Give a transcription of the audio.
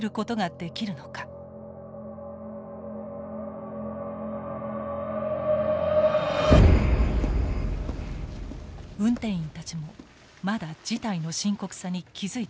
運転員たちもまだ事態の深刻さに気付いていませんでした。